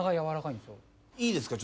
いいですか？